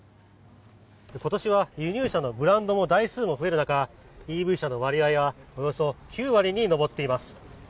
今年は輸入車のブランドも台数も増える中ＥＶ車の割合はおよそ９割に上っています。